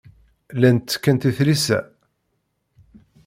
Llant ttekkent i tlisa.